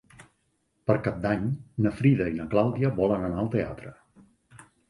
Per Cap d'Any na Frida i na Clàudia volen anar al teatre.